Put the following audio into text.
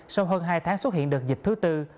sau hơn hai tháng xuất hiện đợt dịch thứ tư